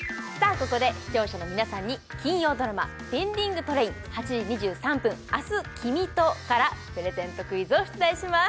ここで視聴者の皆さんに金曜ドラマ「ペンディングトレイン‐８時２３分、明日君と」からプレゼントクイズを出題します